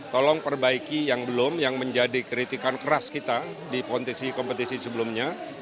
tolong perbaiki yang belum yang menjadi kritikan keras kita di kompetisi kompetisi sebelumnya